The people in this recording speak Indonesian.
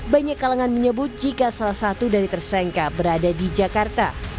banyak kalangan menyebut jika salah satu dari tersangka berada di jakarta